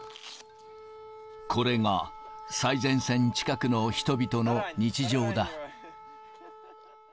これが最前線近くの人々の日常だ。